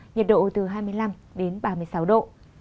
nhiệt độ từ hai mươi năm đến ba mươi sáu độ